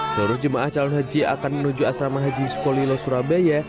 seluruh jemaah calon haji akan menuju asrama haji sukolilo surabaya